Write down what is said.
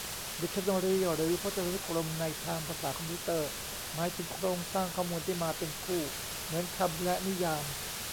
ดิกชันนารีหรือพจนานุกรม ในทางภาษาคอมพิวเตอร์ หมายถึงโครงสร้างข้อมูลที่มาเป็นคู่ เหมือนคำและนิยาม